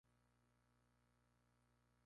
Ganó en dos ocasiones la maratón de Chicago.